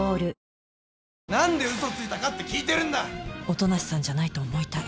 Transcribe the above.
「音無さんじゃないと思いたい」